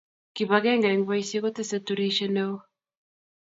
Kibakenge eng boisie kotesei turishe ne oo.